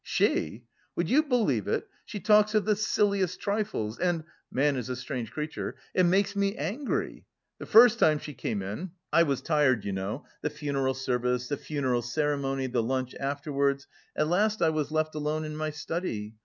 "She! Would you believe it, she talks of the silliest trifles and man is a strange creature it makes me angry. The first time she came in (I was tired you know: the funeral service, the funeral ceremony, the lunch afterwards. At last I was left alone in my study.